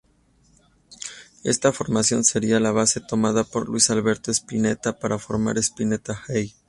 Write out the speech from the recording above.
Esta formación sería la base tomada por Luis Alberto Spinetta para formar Spinetta Jade.